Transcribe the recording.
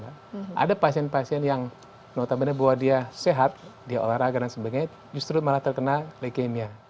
ada pasien pasien yang notabene bahwa dia sehat dia olahraga dan sebagainya justru malah terkena leukemia